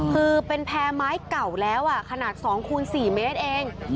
คือเป็นแพร่ไม้เก่าแล้วขนาด๒คูณ๔เมตรเอง